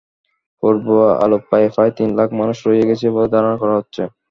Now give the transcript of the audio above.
পূর্ব আলেপ্পোয় প্রায় তিন লাখ মানুষ রয়ে গেছে বলে ধারণা করা হচ্ছে।